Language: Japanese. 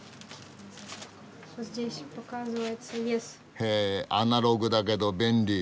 へえアナログだけど便利。